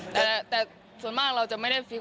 แต่ส่วนมากเราจะไม่ได้ฟิต